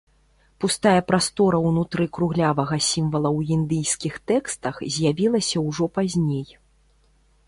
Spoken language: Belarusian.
Пустая прастора ўнутры круглявага сімвала ў індыйскіх тэкстах з'явілася ўжо пазней.